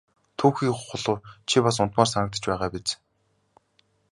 Түүхий хулуу чи бас унтмаар санагдаж байгаа биз!